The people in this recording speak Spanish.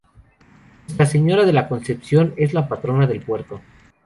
Nuestra Señora de la Concepción es la patrona de Puerto.